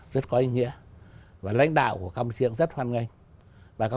rất sâu sắc